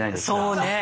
そうね！